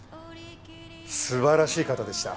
素晴らしい方でした。